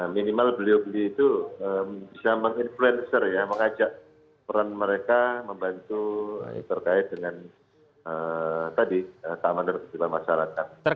minimal beliau beliau itu bisa meng influencer ya mengajak peran mereka membantu terkait dengan tadi keamanan dan kesimpulan masyarakat